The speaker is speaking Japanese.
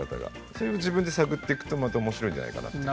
それを自分で探っていくとまた面白いんじゃないかなっていう。